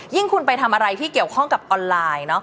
คุณไปทำอะไรที่เกี่ยวข้องกับออนไลน์